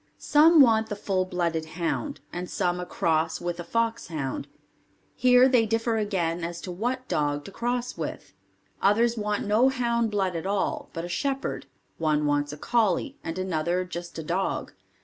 Some want the full blooded hound, and some a cross with a foxhound; here they differ again as to what dog to cross with; others want no hound blood at all, but a shepherd; one wants a collie and another just a dog.